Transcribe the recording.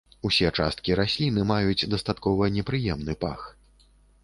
Усе часткі расліны маюць дастаткова непрыемны пах.